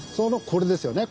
これですよね